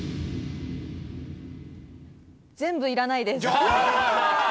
全部いらないです。